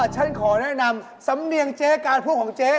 ฉันขอแนะนำสำเนียงเจ๊การพูดของเจ๊